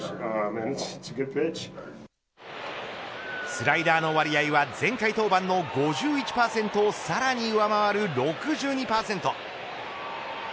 スライダーの割合は前回登板の５１％をさらに上回る６２％。